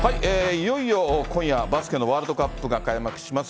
いよいよ今夜、バスケのワールドカップが開幕します。